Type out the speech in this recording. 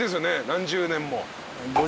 何十年も。